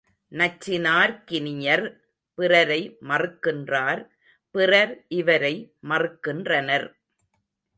நச்சினார்க்கினியர் பிறரை மறுக்கின்றார் பிறர் இவரை மறுக்கின்றனர்.